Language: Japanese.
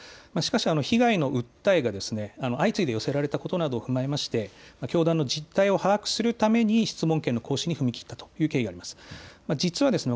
しかし被害の訴えが相次いで寄せられたことなどを踏まえまして教団の実態を把握するために質問権の行使に踏み切った経緯があります。